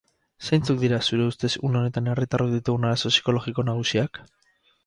Zeintzuk dira, zure ustez, une honetan herritarrok ditugun arazo psikologiko nagusiak?